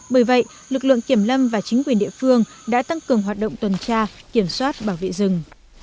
bởi vậy lực lượng kiểm lâm và chính quyền địa phương đã tăng cường hoạt động tuần tra kiểm soát bảo vệ rừng